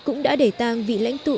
cũng đã để tang vị lãnh tụ